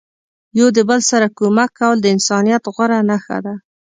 یو د بل سره کومک کول د انسانیت غوره نخښه ده.